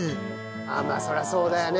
まあそりゃそうだよね。